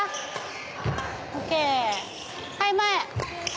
「はい前！」